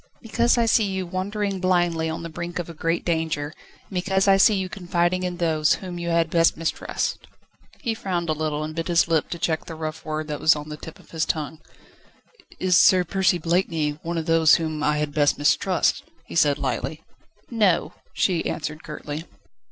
"Because I see you wandering blindly on the brink of a great danger, and because I see you confiding in those, whom you had best mistrust." He frowned a little, and bit his lip to check the rough word that was on the tip of his tongue. "Is Sir Percy Blakeney one of those whom I had best mistrust?" he said lightly. "No," she answered curtly.